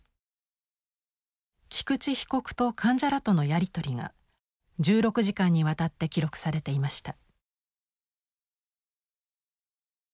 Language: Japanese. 菊池被告と患者らとのやり取りが１６時間にわたって記録されていました。